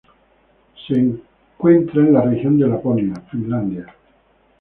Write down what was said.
Se encuentra en la región de Laponia, Finlandia.